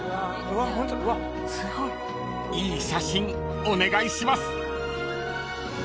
［いい写真お願いします］